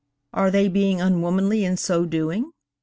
Are they being unwomanly in so doing?